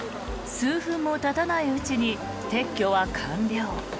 数分もたたないうちに撤去は完了。